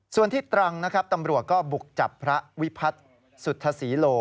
ส่วนที่ตรังนะครับตำรวจก็บุกจับพระวิพัฒน์สุทธศรีโล